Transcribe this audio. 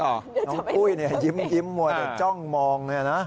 น้องปุ้ยละยิ้มหมดแล้วจ้องมองเลยนะ